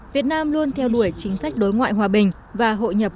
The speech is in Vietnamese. việt nam luôn theo đuổi chính sách đối ngoại hòa bình và hội nhập